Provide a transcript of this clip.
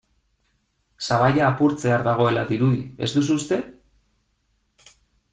Sabaia apurtzear dagoela dirudi, ez duzu uste?